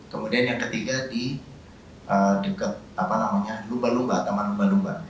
kemudian yang ketiga di dekat apa namanya lumba lumba taman lumba lumba